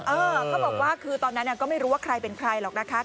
เขาบอกว่าคือตอนนั้นก็ไม่รู้ว่าใครเป็นใครหรอกนะคะ